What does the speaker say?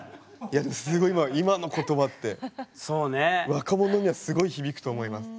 すごい今の言葉って若者にはすごい響くと思います。